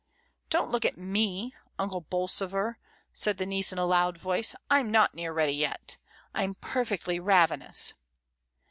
"Don't look at Tne^ Unde Bolsover," said the niece, in a loud voice; "Fm not near ready yet, Fm perfectly ravenous."